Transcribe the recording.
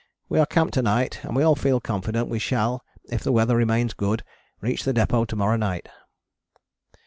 We are camped to night and we all feel confident we shall, if the weather remains good, reach the depôt to morrow night.